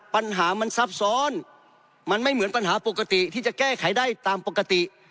ปัญหามันซับซ้อนมันไม่เหมือนปัญหาปกติที่จะแก้ไขได้ตามปกติ